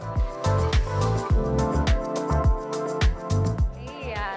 iya semuanya sudah ada